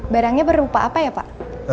barangnya berupa apa ya pak